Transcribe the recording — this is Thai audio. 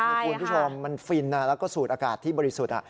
คุณผู้ชมมันฟินแล้วก็สูดอากาศที่บริสุทธิ์